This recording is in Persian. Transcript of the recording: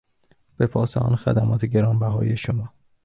به پاس آن خدمات گرانبهای شما